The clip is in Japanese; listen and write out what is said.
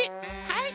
はい。